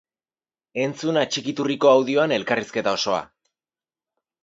Entzun atxikiturriko audioan elkarrizketa osoa!